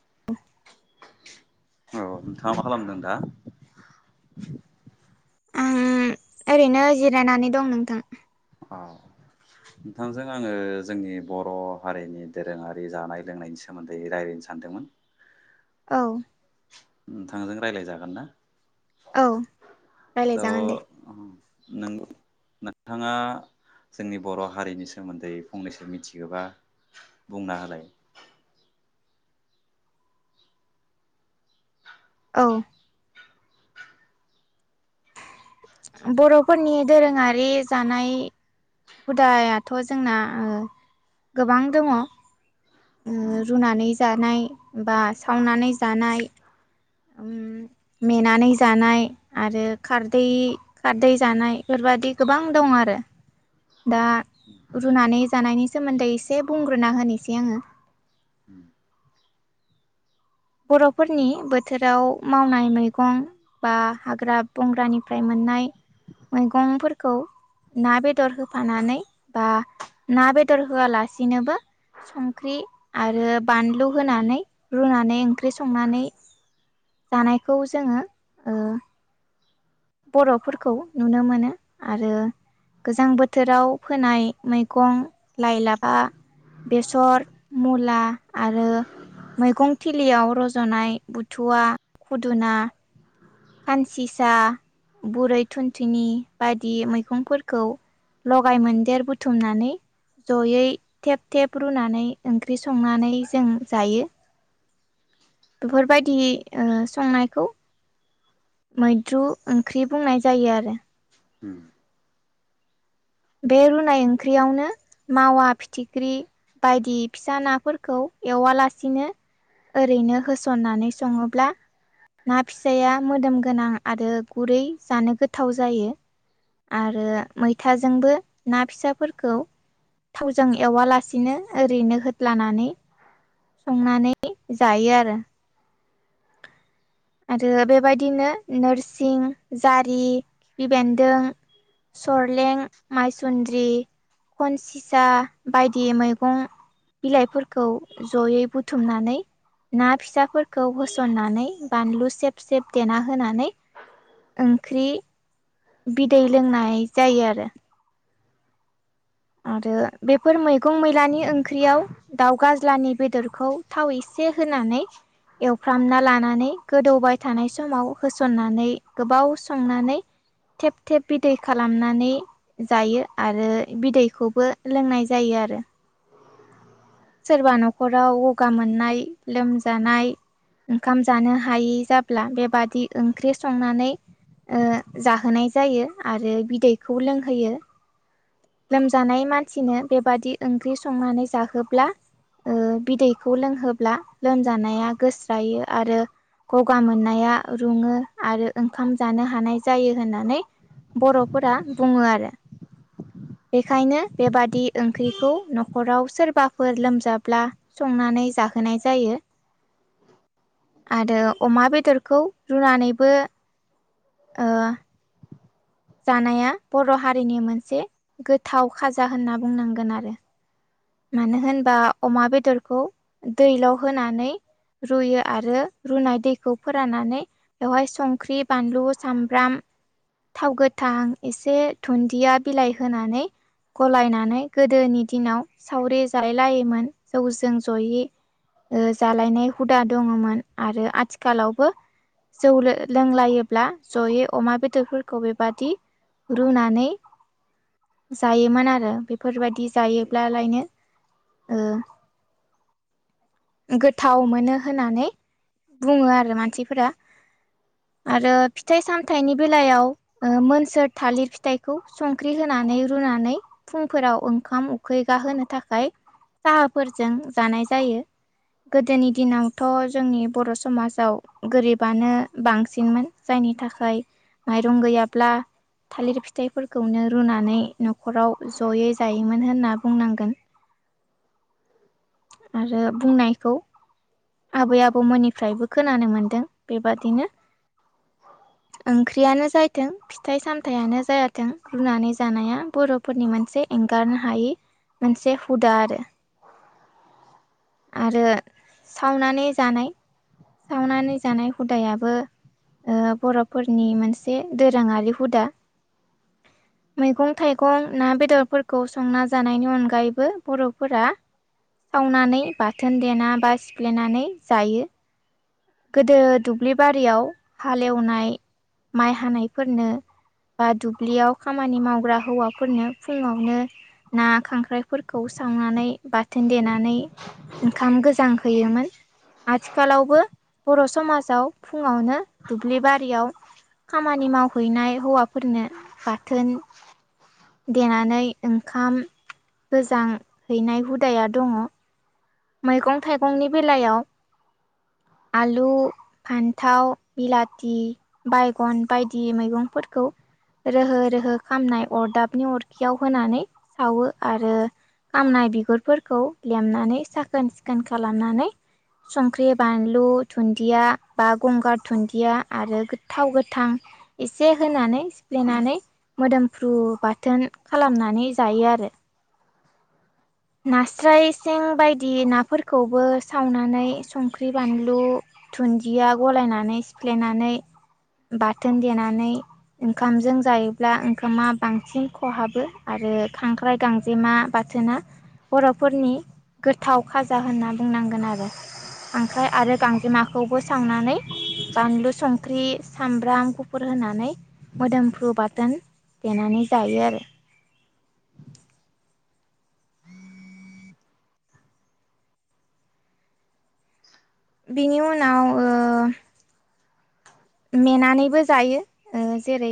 [inaudible] औ नोंथाङा मा खालामदों दा? [unintelligible] आं ओरैनो जिरायनानै दं नोंथां। औ। नोंथांजों आङो जोंनि बर' हारिनि दोरोङारि जानाय लोंनायनि सोमोन्दै रायज्लायनो सान सानदोंमोन। औ। नोंथांजों रायज्लाय जागोनना? औ राय्लायजागोन दे। नोंथाङा जोंनि बर' हारिनि सोमोन्दै फंनैसो मिथिगोबा? बुंना होलाय। औ। बर'फोरनि दोरोङारि जानाय हुदायाथ' जोंना ओ गोबां दङ। उम रुनानै जानाय बा सावनानै जानाय मेनानै जानाय आरो खारदै खारदै जानाय बेफोरबायादि गोबां दङ। दं आरो। दा रुनानै जानायनि सोमोन्दै एसे बुंग्रोना होनोसै आङो। उम बर'फोरनि बोथोराव मावनाय मैगं बा हाग्रा बंग्रानिफ्राय मोननाय मैगंफोरखौ ना बेदर होफानानै बा ना बेदर होआलासिनोबो संख्रि आरो बानलु होनानै रुनानै ओंख्रि संनानै जानायखौ जोङो ओ बर'फोरखौ नुनो मोनो। आरो गोजां बोथोराव फोनाय मैगं लाइ लाफा बेसर मुला आरो मैगं थिलियाव रज'नाय बुथुवा, खुदुना खानसिसा बुरै थुनथिुनि बायदि मैगंफोरखौ लगाय मोनदेर बुथुमनानै जयै थेब थेब रुनानै ओंख्रि संनानै जों जायो। बेफोरबायदि ओ संनायखौ मैद्रु ओंख्रि बुंनाय जायो आरो। उम। बे रुनाय ओंख्रियावनो मावा फिथिख्रि बायदि फिसा नाफोरखौ एवालासिनो ओरैनो होसन्नानै सङोब्ला ना फिसाया मोदोम गोनां आरो गुरै जानो गोथाव जायो। आरो मैथाजोंबो ना फिसाफोरखौ थावजों एवालासिनो ओरैनो होल्दानानै संनानै जायो आरो। आरो बेबायदिनो नोरसिं जारि खिफि बेन्दों सरलें मायसन्द्रि खनसिसा बायदि मैगं बिलाइफोरखौ जयै बुथुमनानै ना फिसाफोरखौ होसननानै बानलु सेब सेब देना होनानै ओंख्रि बिदै लोंनाय जायो आरो। आरो बेफोर मै गं मैलानि ओंख्रियाव दाउ गाज्लानि बेदरखौ थाव एसे होनानै एवफ्रामना लानानै गोदौबाय थानाय समाव होसननानै गोबाव संनानै थेब थेब बिदै खालामनानै जायो आरो बिदै खौबो लोंनाय जायो आरो। सोरबा न'खराव गगा मोननाय लोमजानाय ओंखाम जानो हायै जाब्ला बेबादि ओंख्रि संनानै ओ जाहोनाय जायो आरो बिदैखौ लोंहोयो। लोमजानाय मानसिनो बेबादि ओंख्रि संनानै जाहोब्ला ओ बिदैखौ लोंहोब्ला लोमजानाया गोस्रायो आरो गगा मोननाया रुङो आरो ओंखाम जानो हानाय जायो होननानै बर'फोरा बुङो आरो। बेखायनो बेबादि ओंख्रिखौ न'खराव सोरबाफोर लोमजाब्ला संनानै जाहोनाय जायो। आरो अमा बेदरखौ रुनानैबो ओ जानाया बर' हारिनि मोनसे गोथाव खाजा होनना बुंनांगोन आरो। मानो होनबा अमा बेदरखौ दैल'होनानै रुयो आरो रुनाय दैखौ फोराननानै बेवहाय संख्रि बानलु सामब्राम थाव गो थां एसे दुन्दिया बिलाइ होनानै गलायनानै गोदोनि दिनाव सावरि जाहैलायमोन जौजों जयै। ओ जालायनाय हुदा दङमोन आरो आथिखालावबो जौ लोंलायोब्ला जयै अमा बेदरफोरखौ बेबादि रुनानै जायोमोन आरो बेफोरबायदि जायो ब्लालायनो ओ गोथाव मोनो होननानै बुङो आरो मानसिफोरा। आरो फिथाइ सामथाइनि बेलायाव ओ मोनसोर थालिर फिथाइखौ संख्रि होना नानै रुनानै फुंफोराव ओंखाम उखै गाहोनो थाखाय साहाफोरजों जानाय जायो। गोदोनि दिनावथ' जोंनि बर' समाजाव गोरिबानो बांसिनमोन जाय नि थाखाय माइरं गैयाब्ला थालिर फिथाइफोरखौनो रुनानै न'खराव जयै जायोमोन होनना बुंनांगोन। आरो बुंनायखौ आबै आबौमोननिफ्रायबो खोनानो मोनदों बेबादिनो। ओंख्रियानो जायथों फिथाइ सामथायाइयानो जाथों रुनानै जानाया बर'फोरनि मोनसे एंगारनो हायै मोनसे हुदा आरो। आरो सावनानै जानाय सावनानै जानाय हुदायाबो ओ बर'फोरनि मोनसे दोरोङारि हुदा। मैगं थाइगं ना बेदरफोरखौ संना जानायनि अनगायैबो बर'फोरा सावनानै बाथोन देना बा सिफ्लेनानै जायो। गोदो दुब्लि बारियाव हालेवनाय माइ हानायफोरनो बा दुब्लियाव खामानि मावग्रा हौवाफोरनो फुङावनो, ना खांख्राइफोरखौ सावनानै, बाथोन देनानै ओंखाम गोजां हैयोमोन आथिखालावबो, बर' समाजाव फुङावनो दुब्लि बारियाव, खामानि मावहैनाय हौवाफोरनो बाथोन, देनानै ओंखाम गोजां हैनाय हुदाया दङ, मैगं थाइगंनि बेलायाव, आलु फान्थाव बिलाथि बायगन बायदि मैगंफोरखौ, रोहो रोहो खामनाय अरदाबनि अरखियाव होनानै सावो आरो, खामनाय बिगुरफोरखौ लेमनानै साखोन सिखोन खालामनानै, संख्रि बानलु दुन्दिया बा गंगार दुन्दिया आरो गोथाव गोथां, एसे होनानै सिफ्लेनानै मोदोमफ्रु बाथोन खालामनानै जायो आरो नास्राय सिं बायदि नाफोरखौबो सावनानै संख्रि बानलु, दुन्दिया गलायनानै सिफ्लेनानै बाथोन देनानै, ओंखामजों जायोब्ला ओंखामा बांसिन खहाबो आरो खांख्राइ गांजेमा बा थोना बर'फोरनि गोथाव खाजा होनना, बुंनांगोन आरो खांख्राइ आरो गांजेमाखौबो सावनानै बानलु संख्रि सामब्राम गुफुर होनानै, मोदोमफ्रु बाथोन देनानै जायो आरो बिनि उनाव ओ, मेनानैबो जायो जेरै,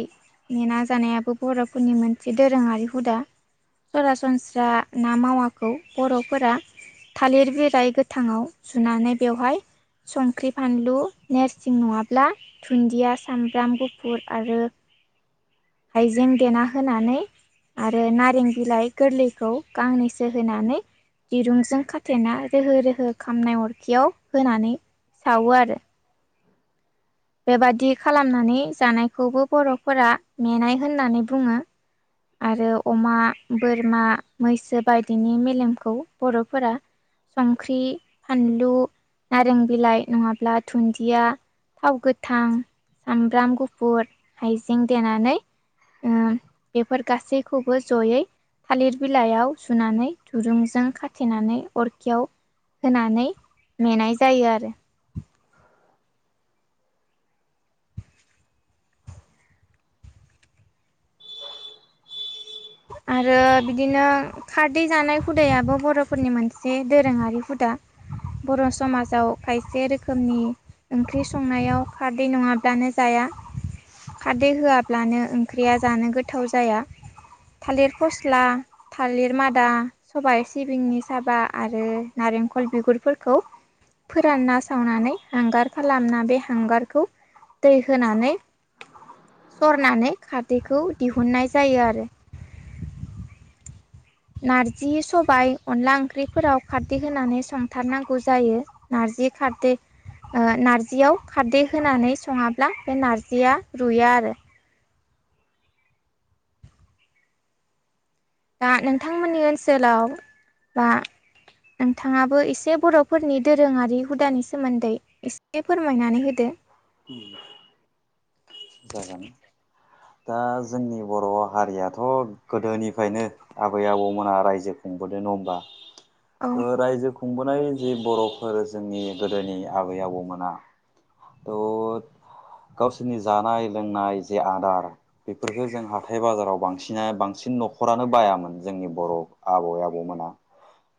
मेना जानायाबो बर'फोरनि मोनसे दोरोङारि हुदा, सरासनस्रा ना मावाखौ बर'फोरा, थालिर बिलाय गोथाङाव जुनानै बेवहाय, संख्रि फानलु नेरसिं नङाब्ला दुन्दिया सामब्राम गुफुर आरो हाइजें देना होनानै, आरो नारें बिलाइ गोरलैखौ गांनैसो होनानै, दिरुंजों खाथेना रोहो रोहो खामनाय अरखियाव होनानै, सावो आरो बेबादि खालामनानै जानायखौबो बरफोरा मेनाय होननानै बुङो। आरो अमा बोरमा मैसो बायदिनि मेलेमखौ बरफोरा। संख्रि फानलु, नारें बिलाइ नङाब्ला दुन्दिया थाव गोथां, सामब्राम गुफुर हाइजें देनानै ओं बेफोर गासैखौबो जयै थालिर बिलाइयाव सुनानै दुरुंजों खाथेनानै अरखियाव, होनानै मेनाय जायो आरो आरो बिदिनो खारदै जानाय हुदायाबो बर'फोरनि मोनसे दोरोङारि हुद दा बर' समाजाव खायसे रोखोमनि ओंख्रि संनायाव खारदै नङाब्लानो जाया। खारदै होआब्लानो ओंख्रिया जानो गोथाव जाया। थालिर फस्ला थालिर मादा सबाइ सिबिंनि साबा आरो नालेंखर, बिगुरफोरखौ फोरानना सावनानै हांगार खालामना बे हांगारखौ, दै होनानै सरनानै खारदैखौ दिहुननाय जायो आरो [inaudible] नारजि सबाय अनला ओंख्रिफोराव खारदै होनानै संथारनांगौ जायो नार जि खारदे ओ नार्जियाव खारदै होनानै सङाब्ला बे नारजिया रुया आरो दा नोंथांमोननि ओनसोलाव बा नोंथाङाबो एसे बरफोरनि दोरोङारि हुदानि सोमोन्दै एसे फोरमायनानै होदो। जागोन। दा जोंनि बर हारियाथ गोदोनिफ्रायनो आबै आबौमोना रायजो खुंबोदों नङा औ हमबा रायजो खुंबोनाय जि बरफोर जोंनि गोदोनि आबै आबौमोना थ' [inaudible] गावसोरनि जानाय लोंनाय जे आदार बेफोरफोरखौ जों हाथाय बाजाराव बांसिना बांसि सिन नखरानो बायामोन जोंनि बर आबै आबौमोना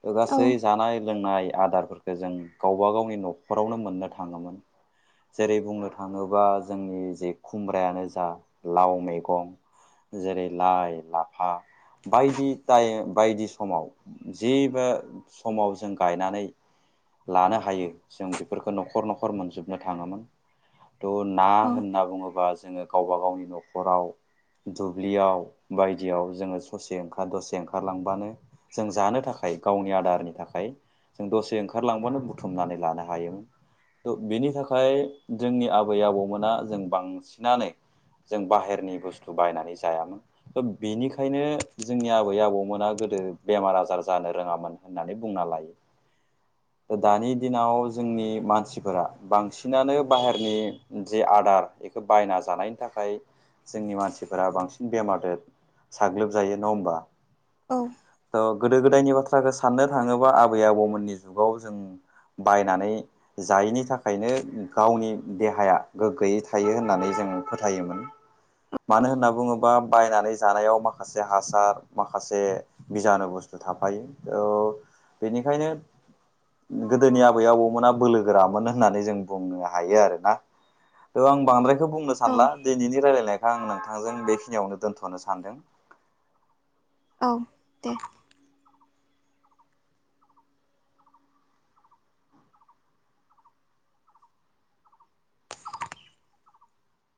ओ औ गासै जानाय लोंनाय आदारफोरखौ जों गावबा गावनि न'खरावनो मोननो थाङोमोन। जेरै बुंनो थाङोबा जोंनि जे खुमब्रायानो जा लाव मैगं जेरै लाइ लाफा बायदि बायदि समाव जेबो समाव जों गायनानै लानो हायो जों बेफोरखौ न'खर न'खर मोनजोबनो थाङोमोन। थ' ना औ होनना बुङोबा जोङो गावबा गावनि न'खराव दुब्लियाव बायदियाव जोङो ससे ओंखार दसे ओंखारलांबानो जों जानो थाखाय खाय गावनि आदारनि थाखाय जों दसे ओंखारलांबानो बुथुमनानै लानो हायोमोन। थ' बेनि थाखाय जोंनि आबै आबौमोना जों बांसिनानो जों बाहेरनि बुस्थु बायनानै जायामोन थ बेनिखायनो जोंनि आबै आबौमोना गोदो गोदो बेमार आजार जानो रोङामोन होननानै बुंना लायो। [inaudible] दानि दिनाव जोंनि मानसिफोरा बांसिनानो बाहेरनि जे आदार बेखौ बायना जानायनि थाखाय जोंनि मानसिफोरा बांसिन बेमारजों साग्लोबजायो नङा होमबा? औ। थ' गोदो गोदायनि बाथ्राखौ साननो थाङोबा आबै आबौमोननि जुगाव जों बायनानै जायैनि थाखायनो गावनि देहाया गोग्गोयै थायो होननानै जों फोथायोमोन। मानो होनना बुङोबा बायनानै जानायाव माखासे हासार माखासे बिजानु बुस्थु थाफायो ओ बेनिखायनो गोदोनि आबै आबौमोना बोलो गोरामोन होननानै जों बुंनो हायो आरोना थ आं बांद्रायखौ बुंनो सानला दिनैनि रायलायनाय आं नोंथांजों बेखिनियावनो दोन्थ'नो सानदों। औ दे।